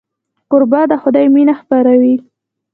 کوربه د خدای مینه خپروي.